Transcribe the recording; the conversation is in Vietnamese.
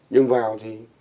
nhưng vào thì